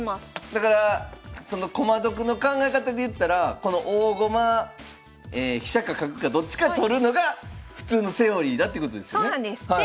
だからその駒得の考え方でいったらこの大駒飛車か角かどっちか取るのが普通のセオリーだっていうことですよね？